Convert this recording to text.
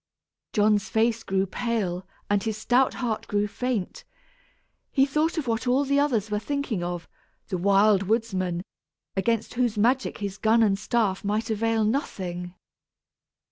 John's face grew pale and his stout heart grew faint; he thought of what all the others were thinking of the Wild Woodsman, against whose magic his gun and staff might avail nothing!